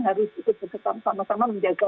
harus bersama sama menjaga